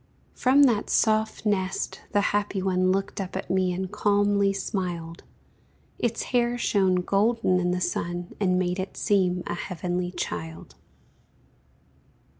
From that soft nest the happy one Looked up at me and calmly smiled; Its hair shone golden in the sun, And made it seem a heavenly child.